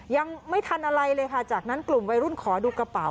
ยังไม่ทันอะไรเลยค่ะจากนั้นกลุ่มวัยรุ่นขอดูกระเป๋า